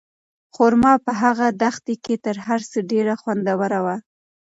خورما په هغه دښته کې تر هر څه ډېره خوندوره وه.